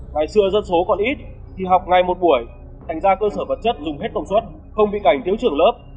ngày xưa dân số còn ít thì học ngay một buổi thành ra cơ sở vật chất dùng hết công suất không bị cảnh thiếu trường lớp